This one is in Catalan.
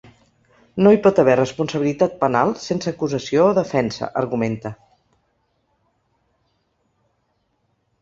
No hi pot haver responsabilitat penal sense acusació o defensa, argumenta.